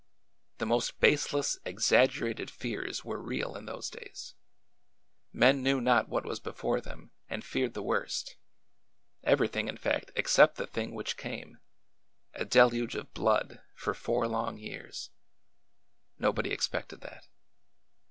The most baseless, exaggerated fears were real in those days. Men knew not what was before them, and feared the worst,— everything, in fact, except the thing which came— a deluge of blood for four long years. Nobody expected that.